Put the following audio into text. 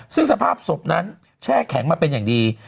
ซึ่งสภาพศพนั้นแช่แข็งมาเป็นอย่างดี